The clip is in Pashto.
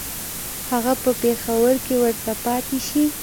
هغه به په پېښور کې ورته پاته شي.